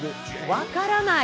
分からない。